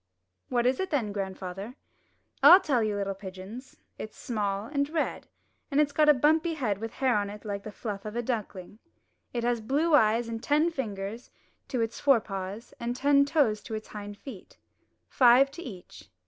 "What is it then, grandfather?" "I'll tell you, little pigeons. It's small and red, and it's got a bumpy head with hair on it like the fluff of a duckling. It has blue eyes, and ten fingers to its fore paws, and ten toes to its hind feet — five to each."